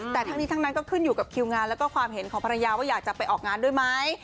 แต่ทั้งนี้ทั้งนั้นก็ขึ้นอยู่กับคิวงานแล้วก็ความเห็นของภรรยาว่าอยากจะไปออกงานด้วยไหม